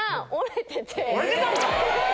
折れてたんかい！